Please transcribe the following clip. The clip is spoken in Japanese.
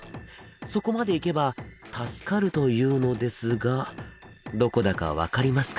そこまで行けば助かるというのですがどこだか分かりますか？